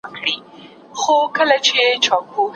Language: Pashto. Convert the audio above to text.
ژور خپګان د ژوند کیفیت اغېزمنوي.